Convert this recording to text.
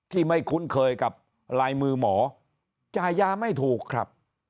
ไม่คุ้นเคยกับลายมือหมอจ่ายยาไม่ถูกครับ